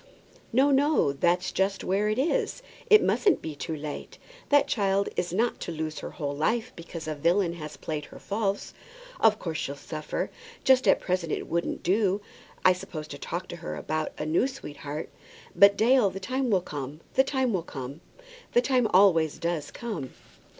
"No, no; that's just where it is. It mustn't be too late! That child is not to lose her whole life because a villain has played her false. Of course she'll suffer. Just at present it wouldn't do, I suppose, to talk to her about a new sweetheart. But, Dale, the time will come; the time will come; the time always does come."